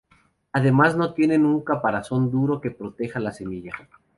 Además no tienen un caparazón duro que proteja a la semilla.